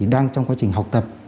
đang trong quá trình học tập